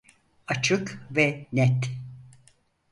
Açık ve net.